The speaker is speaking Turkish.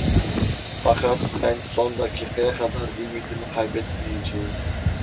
Fakat ben son dakikaya kadar ümidimi kaybetmeyeceğim.